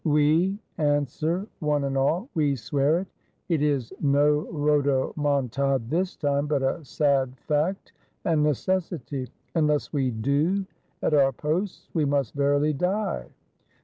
''Otd," answer one and all: "We swear it!" It is no rhodomontade this time, but a sad fact and necessity; unless we do at our posts, we must verily die.